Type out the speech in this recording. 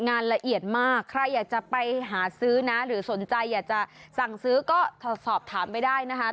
ละเอียดมากใครอยากจะไปหาซื้อนะหรือสนใจอยากจะสั่งซื้อก็สอบถามไปได้นะคะ